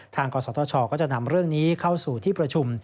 กศธชก็จะนำเรื่องนี้เข้าสู่ที่ประชุม